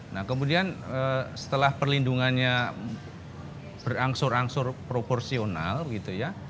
nah kemudian setelah perlindungannya berangsur angsur proporsional gitu ya